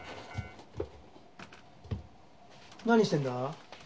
何してんだ？